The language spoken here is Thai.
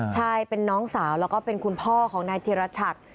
ใช่เป็นน้องสาวแล้วก็เป็นคุณพ่อของนายธิรชัด